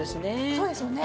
そうですよね。